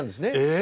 え！